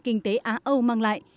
kinh tế á âu mang lại